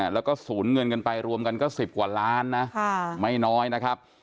แล้วก็สูญเงินกันไปรวมกันก็๑๐กว่าล้านนะไม่น้อยนะครับ